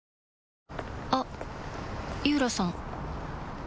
あっ井浦さん